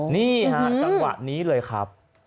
นี่ฮะจังหวะนี้เลยครับ